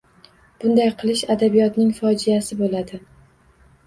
Bunday qilish adabiyotning fojiasi bo‘ladi.